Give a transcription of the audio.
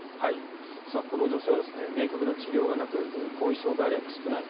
この女性は明確な治療がなく後遺症外来も少ない。